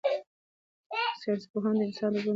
ساینس پوهان د انسانانو د ژوند اوږدولو هڅه کوي.